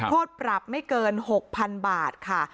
โทษปรับไม่เกิน๖๐๐๐บาทค่ะ